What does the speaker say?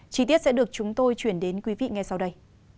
chí tiết sẽ được chúng tôi chuyển đến quý vị nghe sau đây